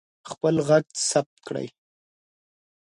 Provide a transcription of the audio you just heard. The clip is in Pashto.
خپل غږ ثبت کړئ.